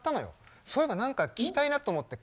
そういえば何か聴きたいなと思って買ってみたの。